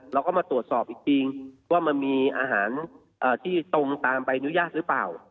เราก็มาตรวจสอบอีกทีว่ามันมีอาหารที่ตรงตามใบอนุญาตหรือเปล่า